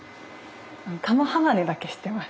玉鋼だけ知ってます。